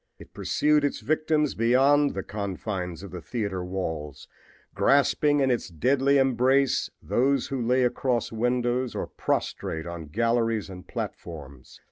It pursued its victims beyond the confines of the theater walls, grasping in its deadly embrace those who lay across windows or prostrate on galleries and platforms.